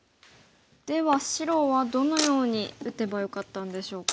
では白はどのように打てばよかったんでしょうか。